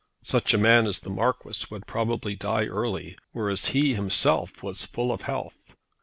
Such a man as the Marquis would probably die early, whereas he himself was full of health.